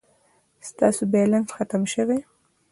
ستاسي بلينس ختم شوي